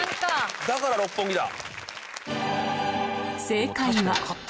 だから六本木だ。